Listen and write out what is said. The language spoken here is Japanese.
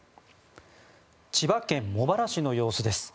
千葉県茂原市の様子です。